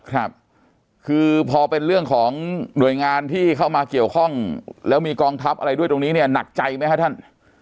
ครับคือพอเป็นเรื่องของหน่วยงานที่เข้ามาเกี่ยวข้องแล้วมีกองทัพอะไรด้วยตรงนี้เนี่ยหนักใจไหมครับท่าน